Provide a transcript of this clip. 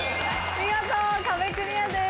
見事壁クリアです。